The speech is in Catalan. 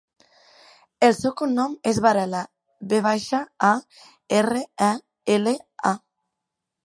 El seu cognom és Varela: ve baixa, a, erra, e, ela, a.